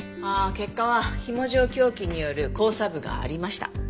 ああ結果は紐状凶器による交叉部がありました。